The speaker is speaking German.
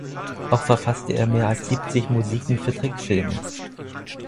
Auch verfasste er mehr als siebzig Musiken für Trickfilme.